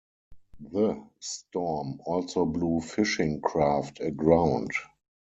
The storm also blew fishing craft aground.